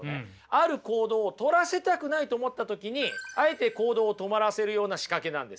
ある行動をとらせたくないと思った時にあえて行動を止まらせるような仕掛けなんですよ。